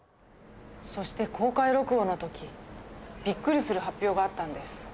そして公開録音の時ビックリする発表があったんです